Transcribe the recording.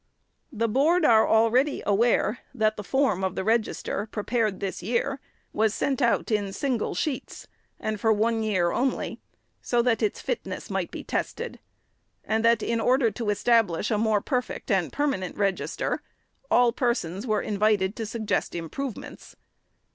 The Board are already aware that the '•'•Form " of the Register, prepared this year, was sent out in single sheets, and for one year only, that its fitness might be tested ; and that " in order to establish a more perfect and per manent Register, all persons were invited to suggest im provements."